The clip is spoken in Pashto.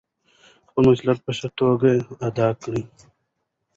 خپل مسوولیت په ښه توګه ادا کړئ.